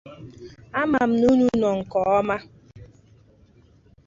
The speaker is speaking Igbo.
bụkwazị nke ọ na-eme kemgbe ọ batara n'ọkwa ọchịchị.